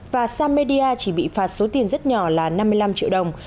và samedia chỉ bị phạt số tiền rất nhỏ là năm mươi năm triệu đồng